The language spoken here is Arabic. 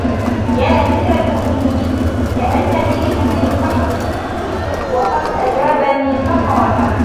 يَا أَمِيرَ الْمُؤْمِنِينَ كَأَنَّ بِابْنِ الْقَيْنِ وَقَدْ أَجَابَنِي فَقَالَ